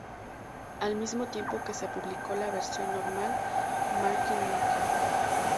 Al mismo tiempo que se publicó la versión normal, Marquee Inc.